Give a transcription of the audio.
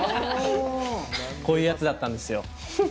こういうヤツだったんですよ。